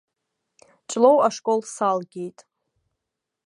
Ҷлоу ашкол салгеит.